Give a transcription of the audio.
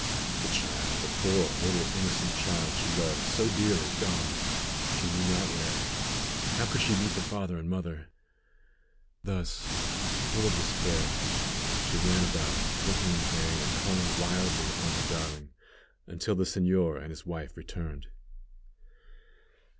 The child! The poor little innocent child she loved so dearly, gone, she knew not where! How could she meet the father and mother? Thus, full of despair, she ran about, looking in vain, and calling wildly upon her darling, until the señor and his wife returned.